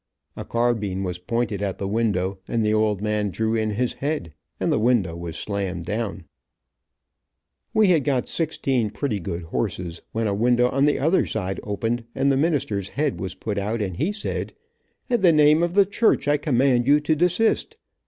A carbine was pointed at the window, and the old man drew in his head, and the window was slammed down. [Illustration: I forbid you touching that mare 287] We had got sixteen pretty good horses, when a window on the other side opened, and the minister's head was put out, and he said, "In the name of the church I command you to desist."